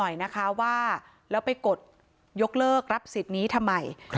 พี่สาวบอกว่าไม่ได้ไปกดยกเลิกรับสิทธิ์นี้ทำไม